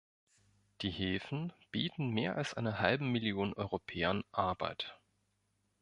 Die Häfen bieten mehr als einer halben Million Europäern Arbeit.